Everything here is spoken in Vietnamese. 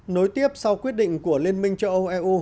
nối tiếp sau quyết định của liên minh châu âu eu